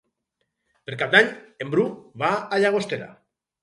Per Cap d'Any en Bru va a Llagostera.